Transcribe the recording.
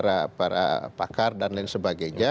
para pakar dan lain sebagainya